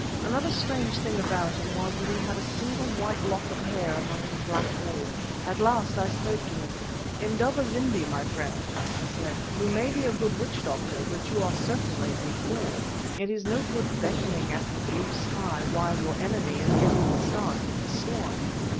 Another strange thing about him was that he had a single white lock of hair among his black wool. At last I spoke to him: "Indaba zimbi, my friend," I said, "you may be a good witch doctor, but you are certainly a fool. It is no good beckoning at the blue sky while your enemy is getting a start with the storm."